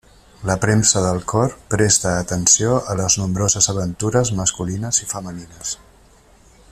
La premsa del cor presta atenció a les nombroses aventures masculines i femenines.